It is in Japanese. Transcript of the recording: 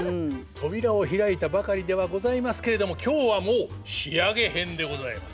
扉を開いたばかりではございますけれども今日はもう仕上げ編でございます。